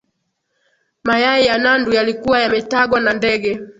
Mayai ya nandu yalikuwa yametagwa na ndege